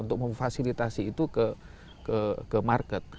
untuk memfasilitasi itu ke market